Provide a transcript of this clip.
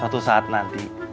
satu saat nanti